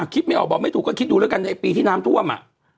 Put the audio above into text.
ไม่ออกบอกไม่ถูกก็คิดดูแล้วกันไอ้ปีที่น้ำท่วมอ่ะ